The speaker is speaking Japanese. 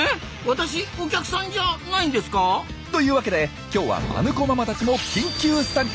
私お客さんじゃないんですか？というわけで今日はマヌ子ママたちも緊急参加！